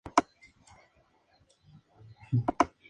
Su nombre se debe al río Indre, que atraviesa este departamento.